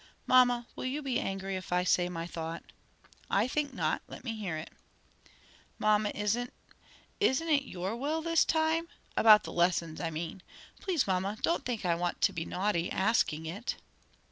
"Mamma, will you be angry if I say my thought?" "I think not: let me hear it." "Mamma, isn't isn't it your will this time? About the lessons I mean. Please mamma, don't think I want to be naughty, asking it?"